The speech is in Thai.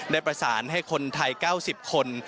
ได้ประสานให้คนไทย๙๐คน